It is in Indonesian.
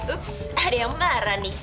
ups ada yang marah nih